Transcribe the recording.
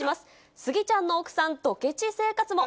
スギちゃんの奥さんドケチ生活も。